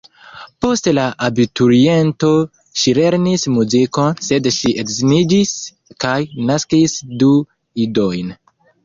Post la abituriento ŝi lernis muzikon, sed ŝi edziniĝis kaj naskis du idojn.